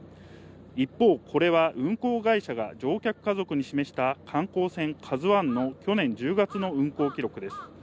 一方、これは運航会社が乗客家族に示した観光船「ＫＡＺＵ１」の去年１０月の運航記録です。